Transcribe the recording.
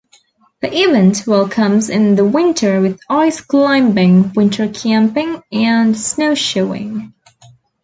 The event welcomes in the winter with ice climbing, winter camping and snow shoeing.